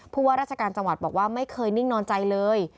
ว่าราชการจังหวัดบอกว่าไม่เคยนิ่งนอนใจเลย